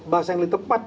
bahasa yang lebih tepat